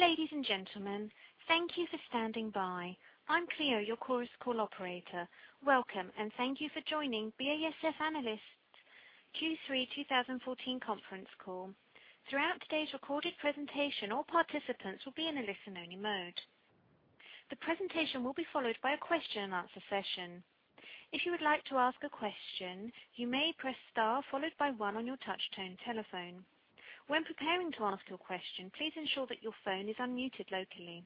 Ladies and gentlemen, thank you for standing by. I'm Cleo, your Chorus Call operator. Welcome, and thank you for joining BASF Analysts Q3 2014 conference call. Throughout today's recorded presentation, all participants will be in a listen-only mode. The presentation will be followed by a question-and-answer session. If you would like to ask a question, you may press star followed by one on your touchtone telephone. When preparing to ask your question, please ensure that your phone is unmuted locally.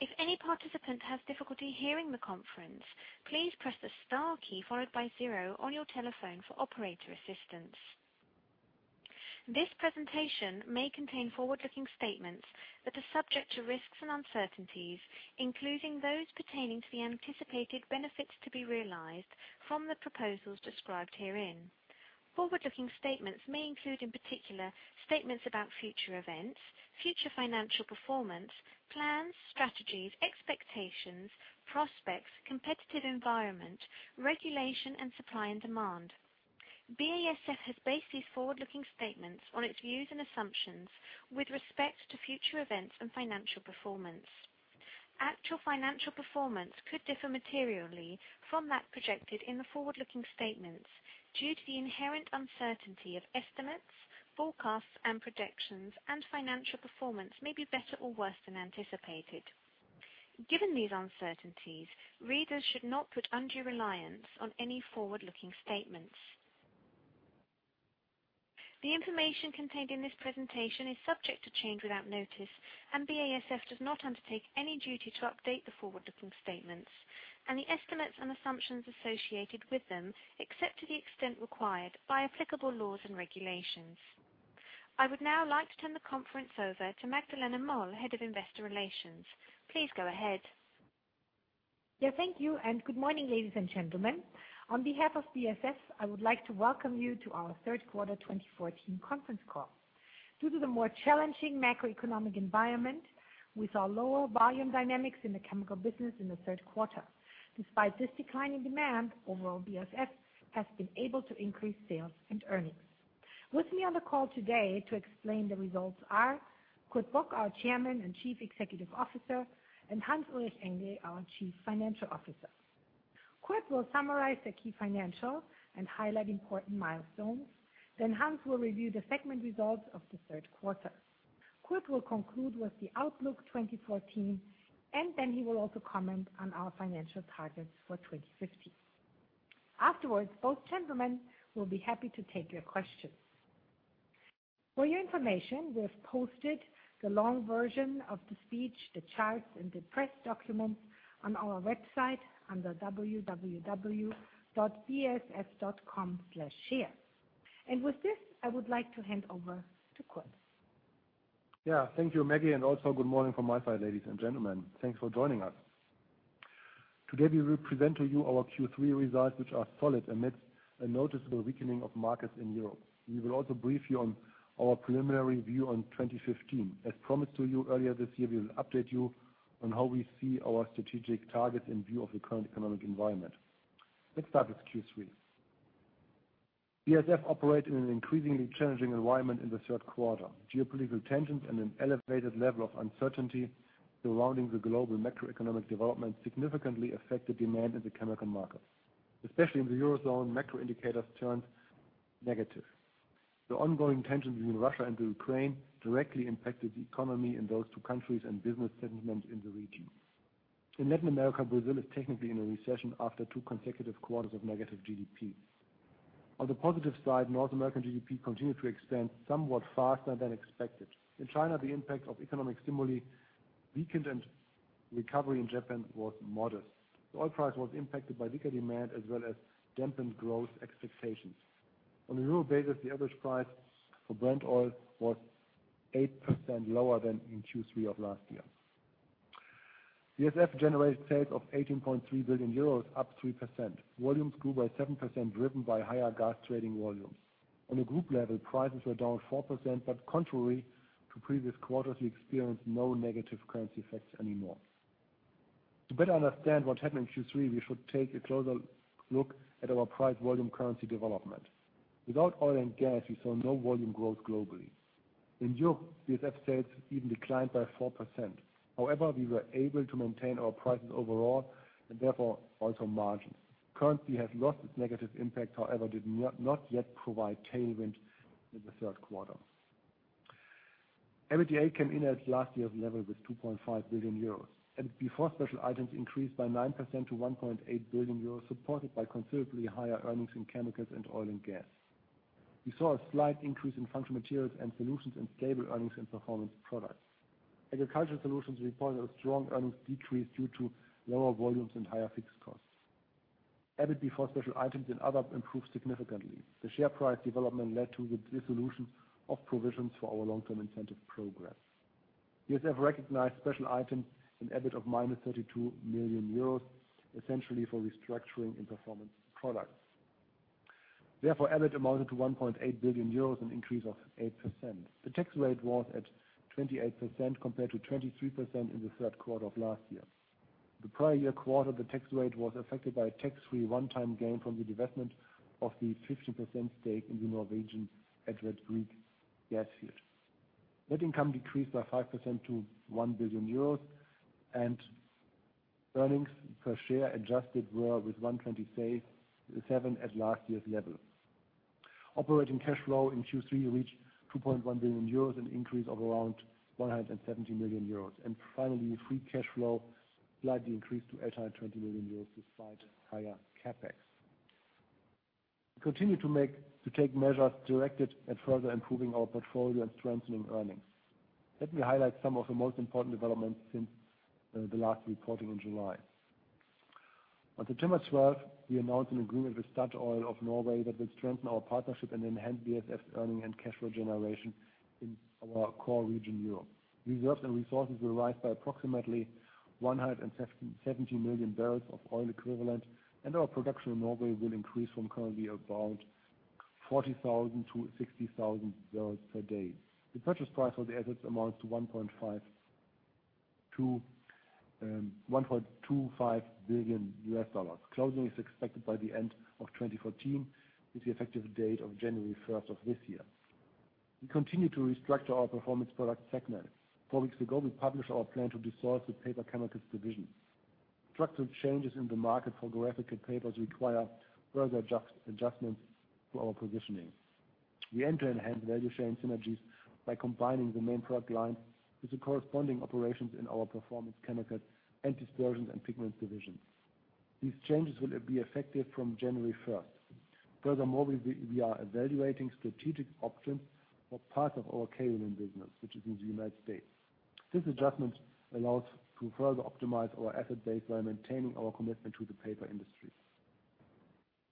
If any participant has difficulty hearing the conference, please press the star key followed by zero on your telephone for operator assistance. This presentation may contain forward-looking statements that are subject to risks and uncertainties, including those pertaining to the anticipated benefits to be realized from the proposals described herein. Forward-looking statements may include, in particular, statements about future events, future financial performance, plans, strategies, expectations, prospects, competitive environment, regulation, and supply and demand. BASF has based these forward-looking statements on its views and assumptions with respect to future events and financial performance. Actual financial performance could differ materially from that projected in the forward-looking statements due to the inherent uncertainty of estimates, forecasts, and projections, and financial performance may be better or worse than anticipated. Given these uncertainties, readers should not put undue reliance on any forward-looking statements. The information contained in this presentation is subject to change without notice, and BASF does not undertake any duty to update the forward-looking statements and the estimates and assumptions associated with them, except to the extent required by applicable laws and regulations. I would now like to turn the conference over to Magdalena Moll, Head of Investor Relations. Please go ahead. Yeah, thank you and good morning, ladies and gentlemen. On behalf of BASF, I would like to welcome you to our third quarter 2014 conference call. Due to the more challenging macroeconomic environment, we saw lower volume dynamics in the chemical business in the third quarter. Despite this decline in demand, overall, BASF has been able to increase sales and earnings. With me on the call today to explain the results are Kurt Bock, our Chairman and Chief Executive Officer, and Hans-Ulrich Engel, our Chief Financial Officer. Kurt will summarize the key financial and highlight important milestones. Then Hans will review the segment results of the third quarter. Kurt will conclude with the outlook 2014, and then he will also comment on our financial targets for 2015. Afterwards, both gentlemen will be happy to take your questions. For your information, we have posted the long version of the speech, the charts, and the press documents on our website under www.basf.com/share. With this, I would like to hand over to Kurt. Yeah, thank you, Maggie. Good morning from my side, ladies and gentlemen. Thanks for joining us. Today, we will present to you our Q3 results, which are solid amidst a noticeable weakening of markets in Europe. We will also brief you on our preliminary view on 2015. As promised to you earlier this year, we will update you on how we see our strategic targets in view of the current economic environment. Let's start with Q3. BASF operated in an increasingly challenging environment in the third quarter. Geopolitical tensions and an elevated level of uncertainty surrounding the global macroeconomic development significantly affected demand in the chemical markets. Especially in the Eurozone, macro indicators turned negative. The ongoing tensions between Russia and the Ukraine directly impacted the economy in those two countries and business sentiment in the region. In Latin America, Brazil is technically in a recession after two consecutive quarters of negative GDP. On the positive side, North American GDP continued to expand somewhat faster than expected. In China, the impact of economic stimuli weakened, and recovery in Japan was modest. The oil price was impacted by weaker demand as well as dampened growth expectations. On a euro basis, the average price for Brent oil was 8% lower than in Q3 of last year. BASF generated sales of 18.3 billion euros, up 3%. Volumes grew by 7%, driven by higher gas trading volumes. On a group level, prices were down 4%, but contrary to previous quarters, we experienced no negative currency effects anymore. To better understand what happened in Q3, we should take a closer look at our price volume currency development. Without oil and gas, we saw no volume growth globally. In Europe, BASF sales even declined by 4%. However, we were able to maintain our prices overall and therefore also margins. Currency has lost its negative impact. However, it did not yet provide tailwind in the third quarter. EBITDA came in at last year's level with 25 billion euros and before special items increased by 9% to 1.8 billion euros, supported by considerably higher earnings in chemicals and oil and gas. We saw a slight increase in Functional Materials and Solutions and stable earnings in Performance Products. Agricultural Solutions reported a strong earnings decrease due to lower volumes and higher fixed costs. EBIT before special items and other improved significantly. The share price development led to the dissolution of provisions for our long-term incentive program. BASF recognized special items in EBIT of -32 million euros, essentially for restructuring and Performance Products. Therefore, EBIT amounted to 1.8 billion euros, an increase of 8%. The tax rate was at 28%, compared to 23% in the third quarter of last year. In the prior year quarter, the tax rate was affected by a tax-free one-time gain from the divestment of the 15% stake in the Norwegian Edvard Grieg gas field. Net income decreased by 5% to 1 billion euros, and earnings per share adjusted were 1.27 at last year's level. Operating cash flow in Q3 reached 2.1 billion euros, an increase of around 170 million euros. Finally, free cash flow slightly increased to 820 million euros despite higher CAPEX. We continue to take measures directed at further improving our portfolio and strengthening earnings. Let me highlight some of the most important developments since the last reporting in July. On September 12, we announced an agreement with Statoil of Norway that will strengthen our partnership and enhance BASF earnings and cash flow generation in our core region, Europe. Reserves and resources will rise by approximately 170 million barrels of oil equivalent, and our production in Norway will increase from currently about 40,000-60,000 barrels per day. The purchase price of the assets amounts to $1.25 billion. Closing is expected by the end of 2014, with the effective date of January 1st of this year. We continue to restructure our Performance Products segment. Four weeks ago, we published our plan to dissolve the Paper Chemicals division. Structural changes in the market for graphical papers require further adjustments to our positioning. We aim to enhance value chain synergies by combining the main product line with the corresponding operations in our Performance Chemicals and Dispersions & Pigments division. These changes will be effective from January 1st. Furthermore, we are evaluating strategic options for parts of our kaolin business, which is in the United States. This adjustment allows to further optimize our asset base by maintaining our commitment to the paper industry.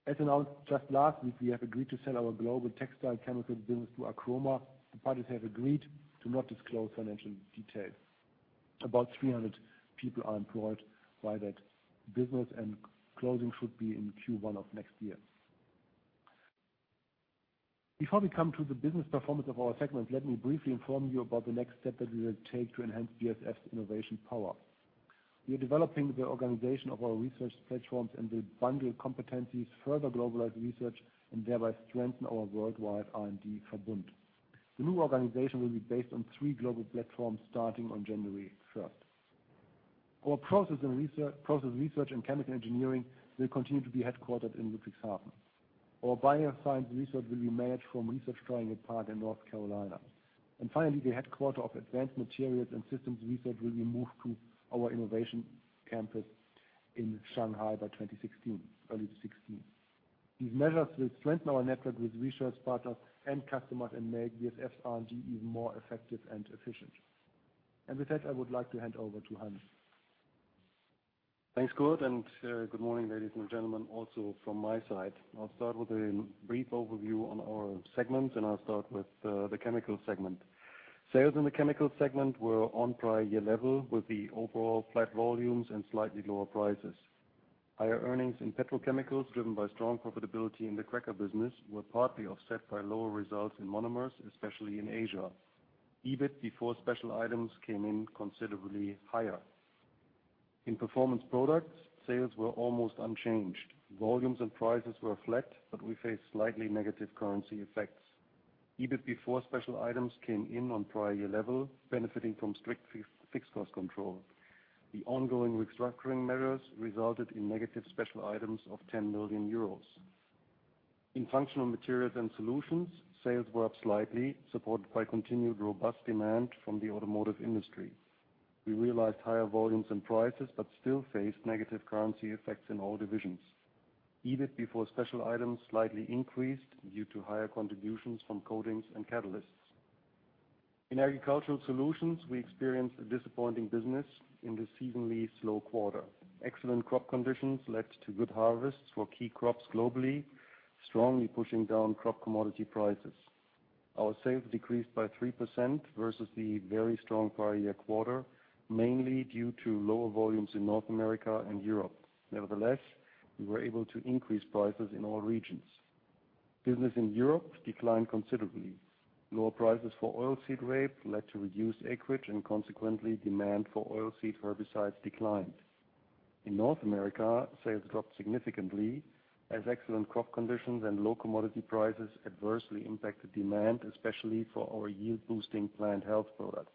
As announced just last week, we have agreed to sell our global textile chemical business to Archroma. The parties have agreed to not disclose financial details. About 300 people are employed by that business, and closing should be in Q1 of next year. Before we come to the business performance of our segments, let me briefly inform you about the next step that we will take to enhance BASF's innovation power. We are developing the organization of our research platforms and will bundle competencies, further globalize research, and thereby strengthen our worldwide R&D Verbund. The new organization will be based on three global platforms starting on January 1st. Process research and chemical engineering will continue to be headquartered in Ludwigshafen. Our bioscience research will be managed from Research Triangle Park in North Carolina. Finally, the headquarters of Advanced Materials and Systems Research will be moved to our innovation campus in Shanghai by early 2016. These measures will strengthen our network with research partners and customers and make BASF's R&D even more effective and efficient. With that, I would like to hand over to Hans. Thanks, Kurt, and good morning, ladies and gentlemen, also from my side. I'll start with a brief overview on our segments, and I'll start with the Chemicals segment. Sales in the Chemicals segment were on prior year level with the overall flat volumes and slightly lower prices. Higher earnings in Petrochemicals, driven by strong profitability in the cracker business, were partly offset by lower results in monomers, especially in Asia. EBIT before special items came in considerably higher. In Performance Products, sales were almost unchanged. Volumes and prices were flat, but we faced slightly negative currency effects. EBIT before special items came in on prior year level, benefiting from strict fixed cost control. The ongoing restructuring measures resulted in negative special items of 10 million euros. In Functional Materials and Solutions, sales were up slightly, supported by continued robust demand from the automotive industry. We realized higher volumes and prices, but still faced negative currency effects in all divisions. EBIT before special items slightly increased due to higher contributions from coatings and catalysts. In Agricultural Solutions, we experienced a disappointing business in the seasonably slow quarter. Excellent crop conditions led to good harvests for key crops globally, strongly pushing down crop commodity prices. Our sales decreased by 3% versus the very strong prior year quarter, mainly due to lower volumes in North America and Europe. Nevertheless, we were able to increase prices in all regions. Business in Europe declined considerably. Lower prices for oilseed rape led to reduced acreage, and consequently, demand for oilseed herbicides declined. In North America, sales dropped significantly as excellent crop conditions and low commodity prices adversely impacted demand, especially for our yield-boosting plant health products.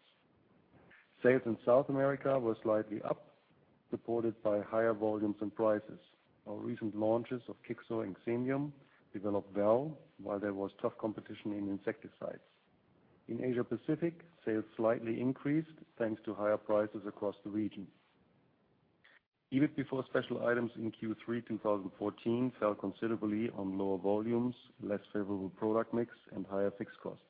Sales in South America were slightly up, supported by higher volumes and prices. Our recent launches of Kixor and Xemium developed well, while there was tough competition in insecticides. In Asia Pacific, sales slightly increased thanks to higher prices across the region. EBIT before special items in Q3 2014 fell considerably on lower volumes, less favorable product mix, and higher fixed costs.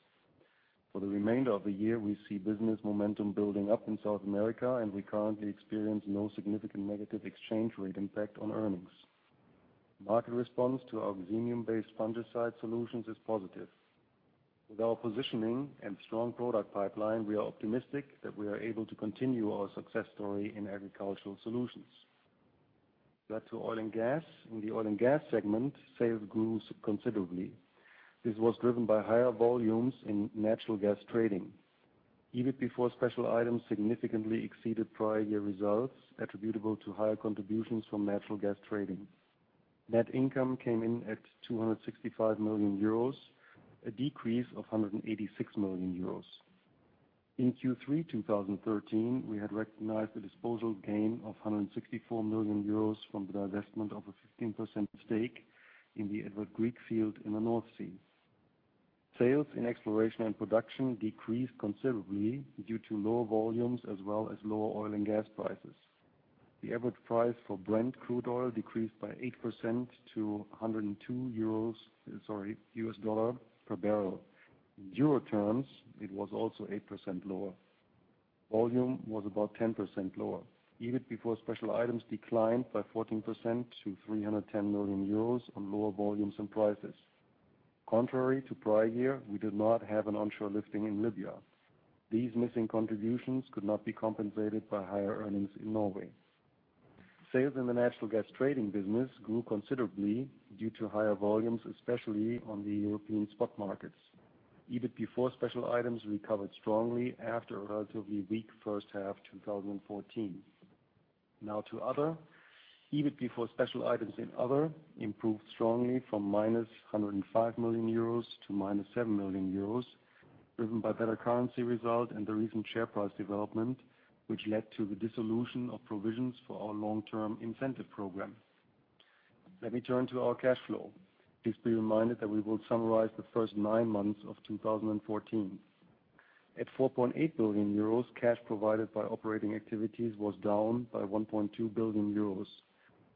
For the remainder of the year, we see business momentum building up in South America, and we currently experience no significant negative exchange rate impact on earnings. Market response to our Xemium-based fungicide solutions is positive. With our positioning and strong product pipeline, we are optimistic that we are able to continue our success story in Agricultural Solutions. Now to oil and gas. In the oil and gas segment, sales grew considerably. This was driven by higher volumes in natural gas trading. EBIT before special items significantly exceeded prior year results attributable to higher contributions from natural gas trading. Net income came in at 265 million euros, a decrease of 186 million euros. In Q3 2013, we had recognized the disposal gain of 164 million euros from the divestment of a 15% stake in the Edvard Grieg field in the North Sea. Sales in exploration and production decreased considerably due to lower volumes as well as lower oil and gas prices. The average price for Brent crude oil decreased by 8% to $102 per barrel. In euro terms, it was also 8% lower. Volume was about 10% lower. EBIT before special items declined by 14% to 310 million euros on lower volumes and prices. Contrary to prior year, we did not have an onshore lifting in Libya. These missing contributions could not be compensated by higher earnings in Norway. Sales in the natural gas trading business grew considerably due to higher volumes, especially on the European spot markets. EBIT before special items recovered strongly after a relatively weak first half, 2014. Now to Other. EBIT before special items in Other improved strongly from -105 million euros to -7 million euros, driven by better currency result and the recent share price development, which led to the dissolution of provisions for our long-term incentive program. Let me turn to our cash flow. Please be reminded that we will summarize the first nine months of 2014. At 4.8 billion euros, cash provided by operating activities was down by 1.2 billion euros.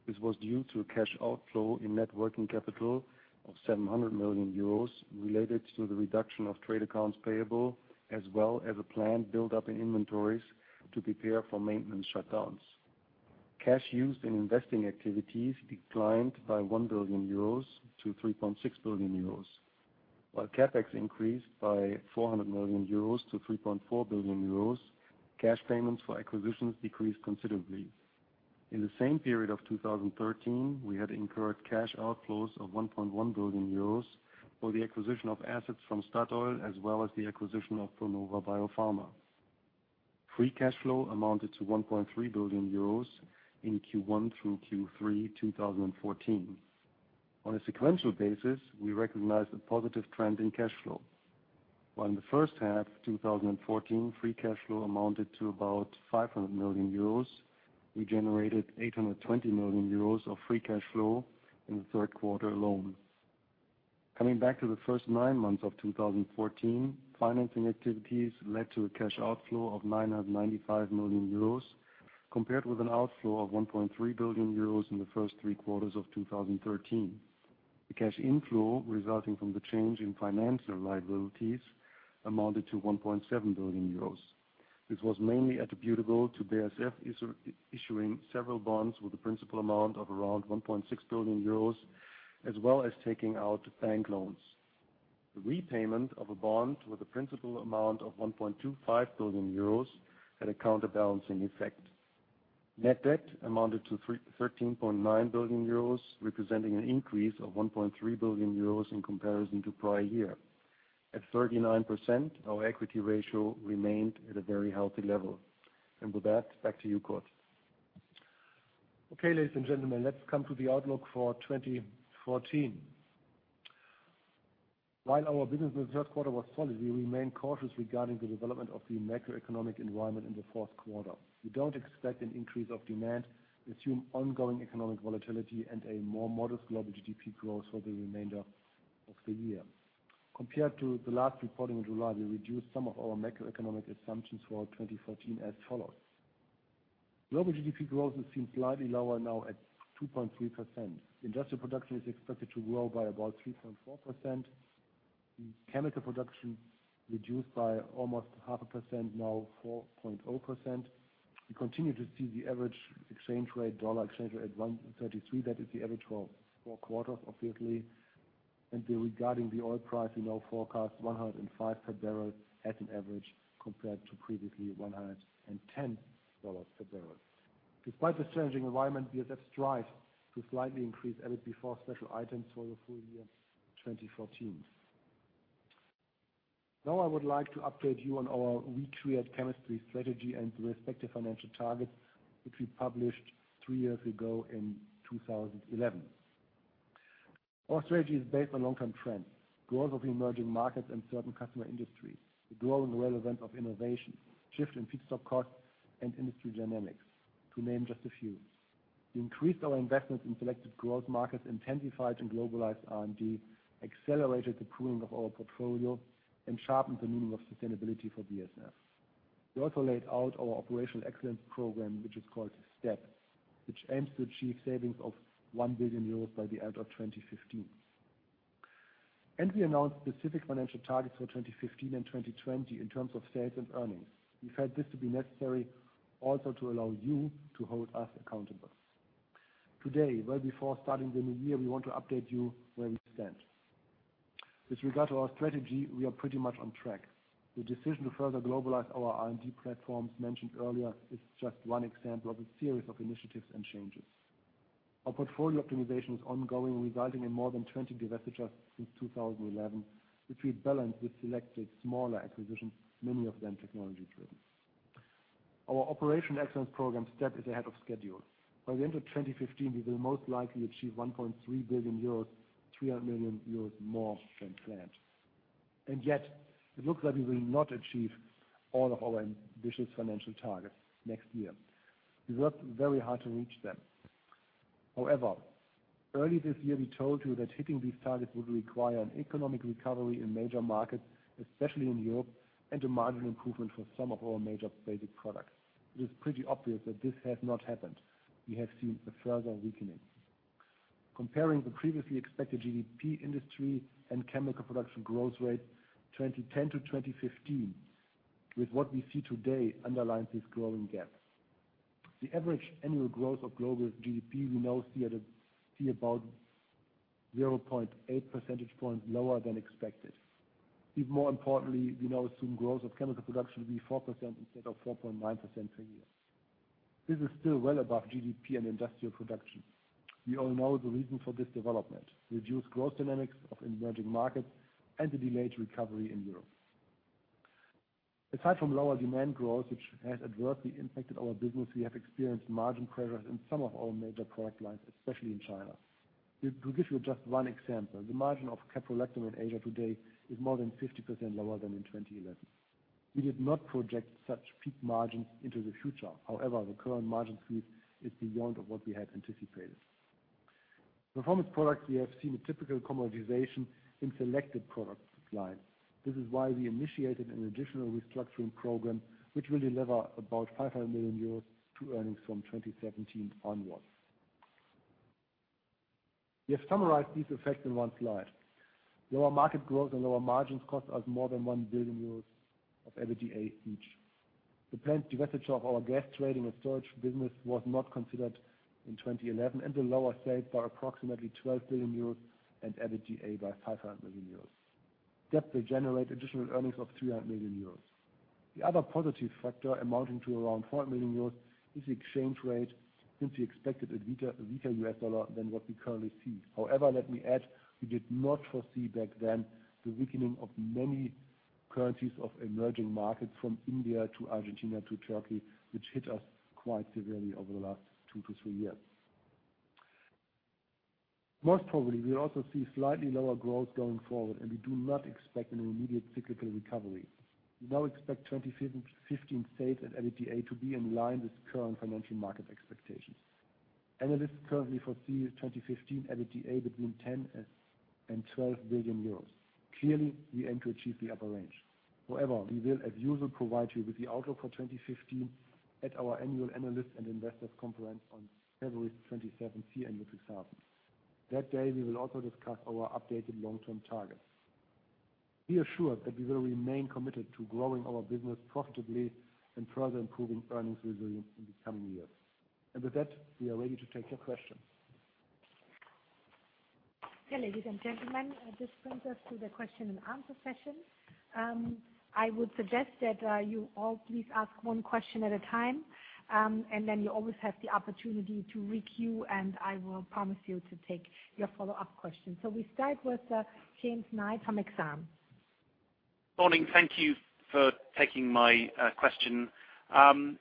This was due to a cash outflow in net working capital of 700 million euros related to the reduction of trade accounts payable, as well as a planned buildup in inventories to prepare for maintenance shutdowns. Cash used in investing activities declined by 1 billion-3.6 billion euros. While CAPEX increased by 400 million euros- 3.4 billion euros, cash payments for acquisitions decreased considerably. In the same period of 2013, we had incurred cash outflows of 1.1 billion euros for the acquisition of assets from Statoil, as well as the acquisition of Pronova BioPharma. Free cash flow amounted to 1.3 billion euros in Q1 through Q3 2014. On a sequential basis, we recognize the positive trend in cash flow. While in the first half 2014, free cash flow amounted to about 500 million euros, we generated 820 million euros of free cash flow in the third quarter alone. Coming back to the first nine months of 2014, financing activities led to a cash outflow of 995 million euros compared with an outflow of 1.3 billion euros in the first three quarters of 2013. The cash inflow resulting from the change in financial liabilities amounted to 1.7 billion euros. This was mainly attributable to BASF issuing several bonds with a principal amount of around 1.6 billion euros, as well as taking out bank loans. The repayment of a bond with a principal amount of 1.25 billion euros had a counterbalancing effect. Net debt amounted to 13.9 billion euros, representing an increase of 1.3 billion euros in comparison to prior year. At 39%, our equity ratio remained at a very healthy level. With that, back to you, Kurt. Okay, ladies and gentlemen, let's come to the outlook for 2014. While our business in the third quarter was solid, we remain cautious regarding the development of the macroeconomic environment in the fourth quarter. We don't expect an increase of demand, assume ongoing economic volatility, and a more modest global GDP growth for the remainder of the year. Compared to the last reporting in July, we reduced some of our macroeconomic assumptions for 2014 as follows. Global GDP growth is seen slightly lower now at 2.3%. Industrial production is expected to grow by about 3.4%. The chemical production reduced by almost 0.5%, now 4.0%. We continue to see the average exchange rate, dollar exchange rate at 1.33. That is the average for quarters, obviously. Regarding the oil price, we now forecast $105 per barrel at an average compared to previously $110 per barrel. Despite this challenging environment, BASF strives to slightly increase EBIT before special items for the full year 2014. Now I would like to update you on our We create chemistry strategy and the respective financial targets, which we published three years ago in 2011. Our strategy is based on long-term trends, growth of emerging markets and certain customer industries, the growing relevance of innovation, shift in feedstock costs and industry dynamics, to name just a few. We increased our investments in selected growth markets, intensified and globalized R&D, accelerated the pruning of our portfolio, and sharpened the meaning of sustainability for BASF. We also laid out our operational excellence program, which is called STEP, which aims to achieve savings of 1 billion euros by the end of 2015. We announced specific financial targets for 2015 and 2020 in terms of sales and earnings. We felt this to be necessary also to allow you to hold us accountable. Today, well before starting the new year, we want to update you where we stand. With regard to our strategy, we are pretty much on track. The decision to further globalize our R&D platforms mentioned earlier is just one example of a series of initiatives and changes. Our portfolio optimization is ongoing, resulting in more than 20 divestitures since 2011, which we've balanced with selected smaller acquisitions, many of them technology-driven. Our operational excellence program STEP is ahead of schedule. By the end of 2015, we will most likely achieve 1.3 billion euros, 300 million euros more than planned. Yet it looks like we will not achieve all of our ambitious financial targets next year. We worked very hard to reach them. However, early this year, we told you that hitting these targets would require an economic recovery in major markets, especially in Europe, and a marginal improvement for some of our major basic products. It is pretty obvious that this has not happened. We have seen a further weakening. Comparing the previously expected GDP industry and chemical production growth rate 2010 to 2015 with what we see today underlines these growing gaps. The average annual growth of global GDP we now see about 0.8 percentage points lower than expected. Even more importantly, we now assume growth of chemical production will be 4% instead of 4.9% per year. This is still well above GDP and industrial production. We all know the reason for this development, reduced growth dynamics of emerging markets and the delayed recovery in Europe. Aside from lower demand growth, which has adversely impacted our business, we have experienced margin pressures in some of our major product lines, especially in China. To give you just one example, the margin of caprolactam in Asia today is more than 50% lower than in 2011. We did not project such peak margins into the future. However, the current margin squeeze is beyond what we had anticipated. Performance Products, we have seen a typical commoditization in selected product lines. This is why we initiated an additional restructuring program, which will deliver about 500 million euros to earnings from 2017 onwards. We have summarized these effects in one slide. Lower market growth and lower margins cost us more than 1 billion euros of EBITDA each. The planned divestiture of our gas trading and storage business was not considered in 2011 and lower sales by approximately 12 billion euros and EBITDA by 500 million euros. That will generate additional earnings of 300 million euros. The other positive factor amounting to around 4 million euros is the exchange rate since we expected a weaker U.S. dollar than what we currently see. However, let me add, we did not foresee back then the weakening of many currencies of emerging markets from India to Argentina to Turkey, which hit us quite severely over the last two-three years. Most probably, we also see slightly lower growth going forward, and we do not expect an immediate cyclical recovery. We now expect 2015 sales and EBITDA to be in line with current financial market expectations. Analysts currently foresee 2015 EBITDA between 10 billion and 12 billion euros. Clearly, we aim to achieve the upper range. However, we will, as usual, provide you with the outlook for 2015 at our annual analyst and investors conference on February 27th here in Ludwigshafen. That day, we will also discuss our updated long-term targets. Be assured that we will remain committed to growing our business profitably and further improving earnings resilience in the coming years. With that, we are ready to take your questions. Yeah, ladies and gentlemen, this brings us to the question and answer session. I would suggest that you all please ask one question at a time, and then you always have the opportunity to requeue, and I will promise you to take your follow-up question. We start with James Knight from Exane. Morning. Thank you for taking my question. Can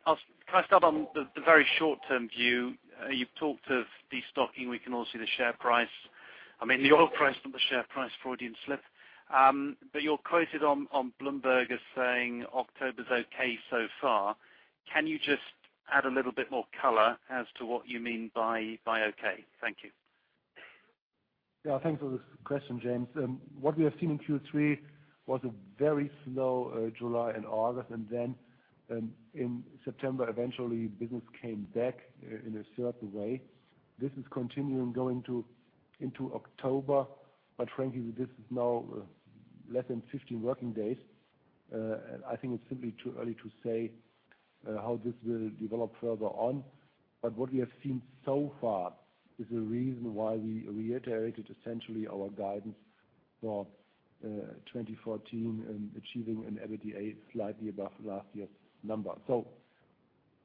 I start on the very short-term view? You've talked of destocking. We can all see the share price. I mean, the oil price, not the share price, Freudian slip. You're quoted on Bloomberg as saying October's okay so far. Can you just add a little bit more color as to what you mean by okay? Thank you. Yeah. Thanks for the question, James. What we have seen in Q3 was a very slow July and August, and then in September, eventually business came back in a certain way. This is continuing into October, but frankly, this is now less than 15 working days. I think it's simply too early to say how this will develop further on. What we have seen so far is the reason why we reiterated essentially our guidance for 2014 and achieving an EBITDA slightly above last year's number.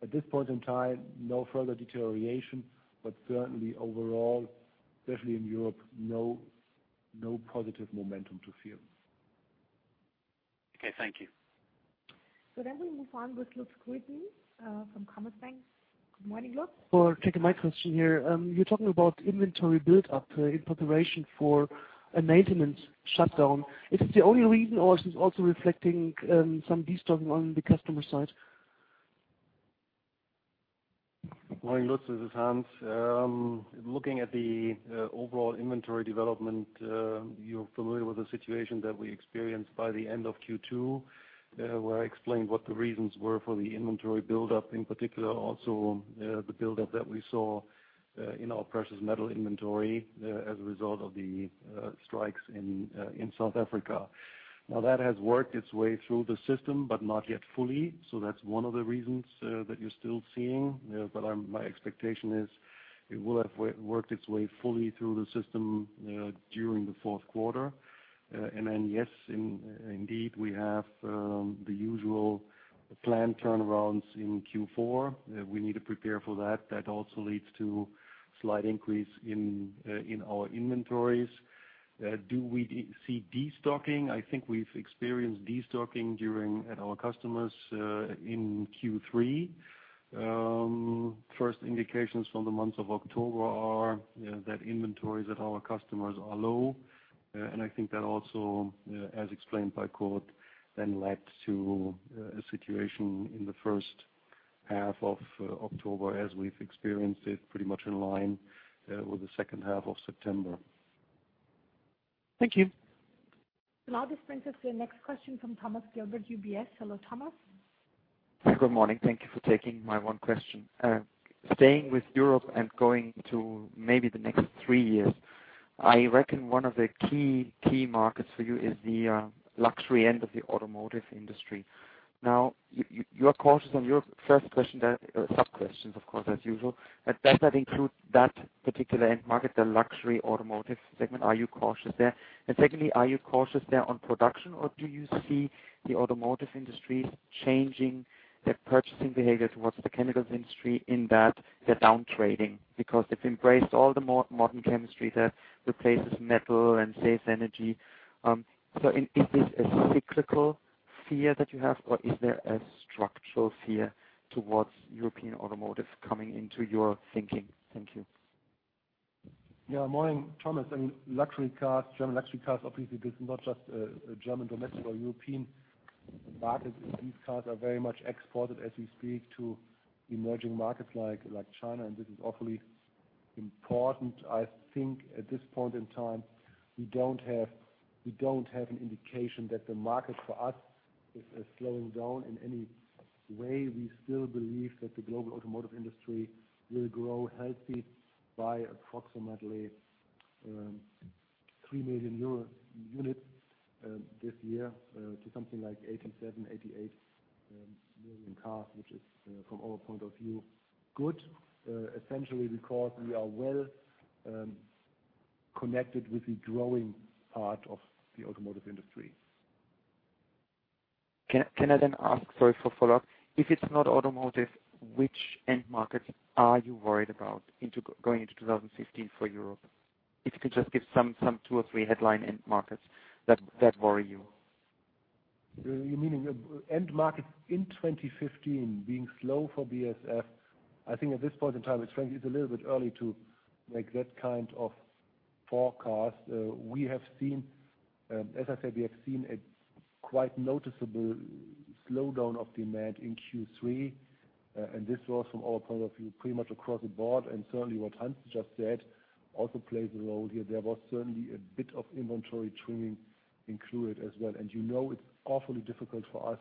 At this point in time, no further deterioration, but certainly overall, especially in Europe, no positive momentum to feel. Okay. Thank you. We move on with Lutz Grueten from Commerzbank. Good morning, Lutz. for taking my question here. You're talking about inventory build-up in preparation for a maintenance shutdown. Is this the only reason, or is this also reflecting some destocking on the customer side? Morning, Lutz. This is Hans. Looking at the overall inventory development, you're familiar with the situation that we experienced by the end of Q2, where I explained what the reasons were for the inventory build-up, in particular also, the build-up that we saw in our precious metal inventory, as a result of the strikes in South Africa. Now that has worked its way through the system, but not yet fully. That's one of the reasons that you're still seeing. My expectation is it will have worked its way fully through the system during the fourth quarter. We have the usual planned turnarounds in Q4. We need to prepare for that. That also leads to slight increase in our inventories. Do we see destocking? I think we've experienced destocking at our customers in Q3. First indications from the month of October are that inventories at our customers are low. I think that also, as explained by Kurt, then led to a situation in the first half of October, as we've experienced it pretty much in line with the second half of September. Thank you. Now this brings us to the next question from Thomas Gilbert, UBS. Hello, Thomas. Good morning. Thank you for taking my one question. Staying with Europe and going to maybe the next three years, I reckon one of the key markets for you is the luxury end of the automotive industry. Now, you're cautious on your first question there, sub-questions of course, as usual. But does that include that particular end market, the luxury automotive segment? Are you cautious there? And secondly, are you cautious there on production, or do you see the automotive industry changing their purchasing behavior towards the chemicals industry in that they're downtrading because they've embraced all the modern chemistry that replaces metal and saves energy? And is this a cyclical fear that you have, or is there a structural fear towards European automotive coming into your thinking? Thank you. Morning, Thomas. In luxury cars, German luxury cars, obviously this is not just a German domestic or European market. These cars are very much exported as we speak to emerging markets like China, and this is awfully important. I think at this point in time, we don't have an indication that the market for us is slowing down in any way. We still believe that the global automotive industry will grow healthy by approximately 3 million units this year to something like 87-88 million cars, which is from our point of view good essentially because we are well connected with the growing part of the automotive industry. Can I then ask, sorry for follow-up. If it's not automotive, which end markets are you worried about going into 2015 for Europe? If you could just give some two or three headline end markets that worry you. You meaning end markets in 2015 being slow for BASF? I think at this point in time, it's frankly, it's a little bit early to make that kind of forecast. We have seen, as I said, a quite noticeable slowdown of demand in Q3. This was from our point of view, pretty much across the board, and certainly what Hans just said also plays a role here. There was certainly a bit of inventory trimming included as well. You know, it's awfully difficult for us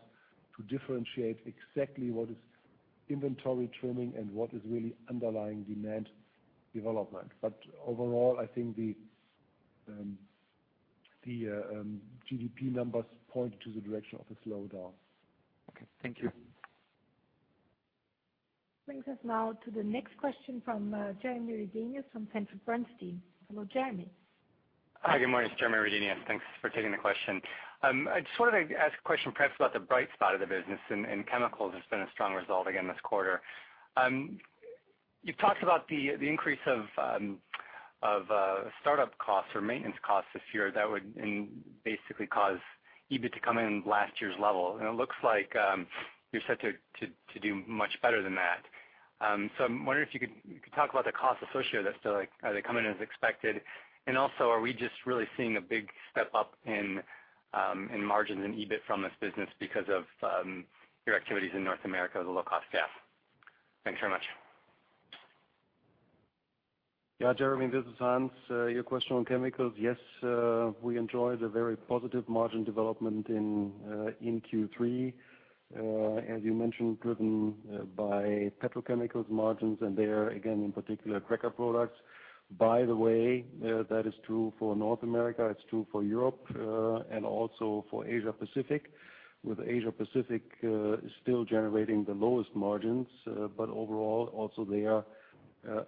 to differentiate exactly what is inventory trimming and what is really underlying demand development. Overall, I think the GDP numbers point to the direction of a slowdown. Okay. Thank you. Brings us now to the next question from Jeremy Redenius from Sanford C. Bernstein. Hello, Jeremy. Hi, good morning. It's Jeremy Redenius. Thanks for taking the question. I just wanted to ask a question, perhaps about the bright spot of the business in chemicals. It's been a strong result again this quarter. You've talked about the increase of startup costs or maintenance costs this year that would basically cause EBIT to come in at last year's level. It looks like you're set to do much better than that. I'm wondering if you could talk about the costs associated with this. Like, are they coming in as expected? Also, are we just really seeing a big step up in margins and EBIT from this business because of your activities in North America, the low-cost gas? Thanks very much. Yeah, Jeremy, this is Hans. Your question on chemicals. Yes, we enjoyed a very positive margin development in Q3, as you mentioned, driven by petrochemicals margins and there again, in particular, cracker products. By the way, that is true for North America, it's true for Europe, and also for Asia Pacific, with Asia Pacific still generating the lowest margins. But overall, also there,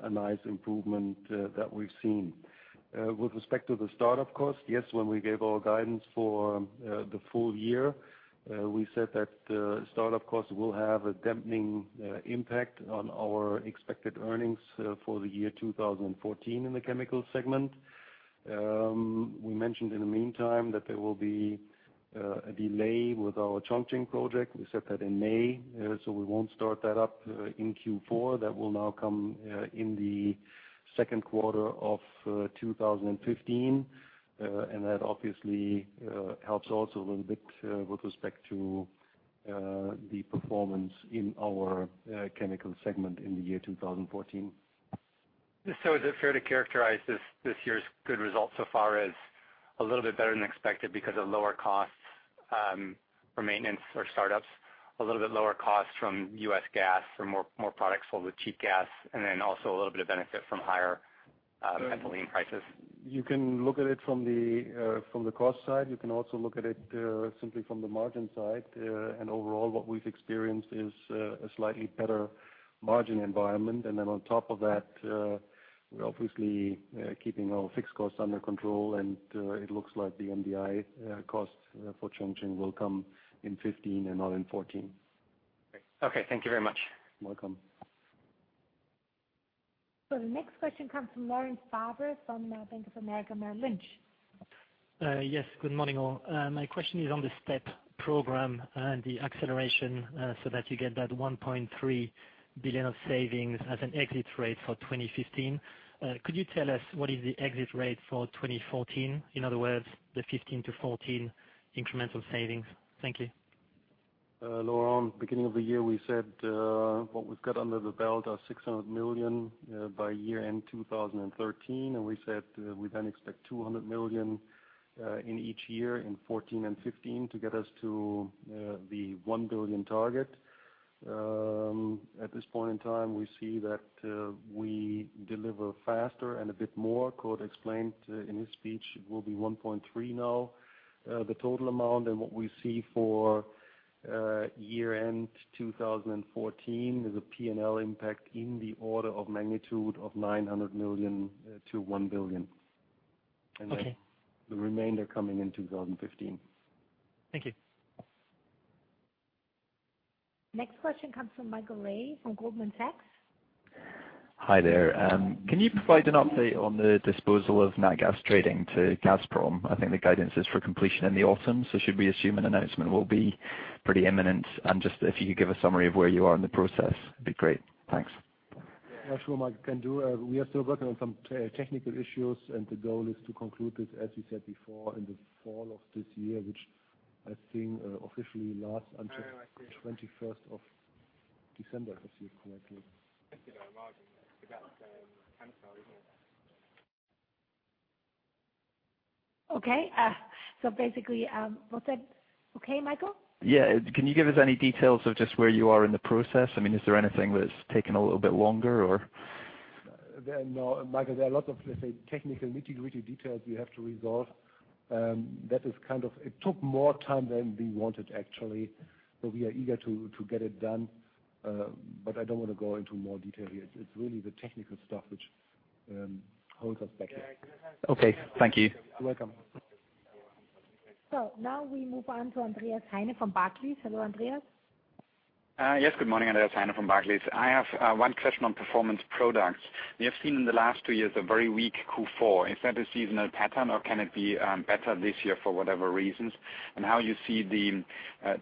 a nice improvement that we've seen. With respect to the start-up cost, yes, when we gave our guidance for the full year, we said that start-up costs will have a dampening impact on our expected earnings for the year 2014 in the chemical segment. We mentioned in the meantime that there will be a delay with our Chongqing project. We said that in May. We won't start that up in Q4. That will now come in the second quarter of 2015. That obviously helps also a little bit with respect to the performance in our Chemical segment in the year 2014. Is it fair to characterize this year's good result so far as a little bit better than expected because of lower costs for maintenance or startups, a little bit lower costs from U.S. gas or more products sold with cheap gas, and then also a little bit of benefit from higher Ethylene prices. You can look at it from the cost side. You can also look at it simply from the margin side. Overall, what we've experienced is a slightly better margin environment. On top of that, we're obviously keeping our fixed costs under control, and it looks like the MDI cost for Chongqing will come in 2015 and not in 2014. Great. Okay, thank you very much. Welcome. The next question comes from Laurent Favre from Bank of America Merrill Lynch. Yes. Good morning, all. My question is on the STEP program and the acceleration, so that you get that 1.3 billion of savings as an exit rate for 2015. Could you tell us what is the exit rate for 2014? In other words, the 2015 to 2014 incremental savings. Thank you. Laurent, beginning of the year, we said what we've got under the belt are 600 million by year-end 2013, and we said we then expect 200 million in each year in 2014 and 2015 to get us to the 1 billion target. At this point in time, we see that we deliver faster and a bit more. Kurt explained in his speech, it will be 1.3 billion now, the total amount. What we see for year-end 2014 is a P&L impact in the order of magnitude of 900 million- 1 billion. Okay. The remainder coming in 2015. Thank you. Next question comes from Michael Rae from Goldman Sachs. Hi there. Can you provide an update on the disposal of NatGas trading to Gazprom? I think the guidance is for completion in the autumn, so should we assume an announcement will be pretty imminent? Just if you could give a summary of where you are in the process, it'd be great. Thanks. Yeah, sure, Mike, can do. We are still working on some technical issues, and the goal is to conclude it, as you said before, in the fall of this year, which I think officially lasts until Oh, I see. 21st of December, if I see it correctly. Okay. Basically, was that okay, Michael? Yeah. Can you give us any details of just where you are in the process? I mean, is there anything that's taken a little bit longer or? No, Michael, there are a lot of, let's say, technical nitty-gritty details we have to resolve. It took more time than we wanted actually, but we are eager to get it done. I don't wanna go into more detail here. It's really the technical stuff which holds us back here. Okay, thank you. You're welcome. Now we move on to Andreas Heine from Barclays. Hello, Andreas. Yes. Good morning, Andreas Heine from Barclays. I have one question on Performance Products. We have seen in the last two years a very weak Q4. Is that a seasonal pattern or can it be better this year for whatever reasons? How you see the